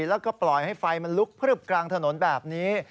แล้วก็ปล่อยให้ไฟมันลุกพลึบกลางถนนแบบนี้